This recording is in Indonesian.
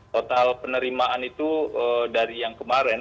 total penerimaan itu dari yang kemarin